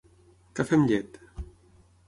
Cafè amb llet.